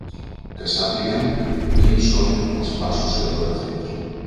Que sapiguem quins són els passos que toca fer.